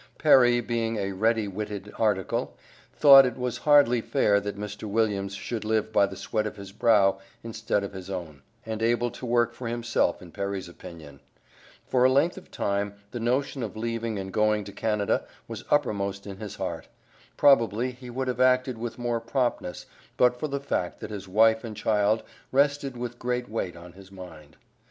Perry being a ready witted article, thought that it was hardly fair that Mr. Williams should live by the sweat of his brow instead of his own; he was a large, portly man, and able to work for himself in Perry's opinion. For a length of time, the notion of leaving and going to Canada was uppermost in his heart; probably he would have acted with more promptness but for the fact that his wife and child rested with great weight on his mind.